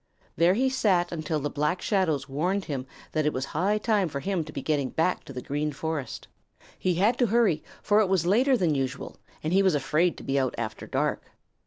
There he sat until the Black Shadows warned him that it was high time for him to be getting back to the Green Forest. He had to hurry, for it was later than usual, and he was afraid to be out after dark.